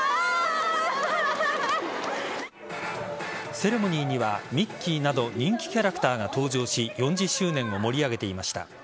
セレモニーにはミッキーなど人気キャラクターが登場し４０周年を盛り上げていました。